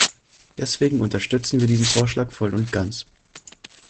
Deswegen unterstützen wir diesen Vorschlag voll und ganz.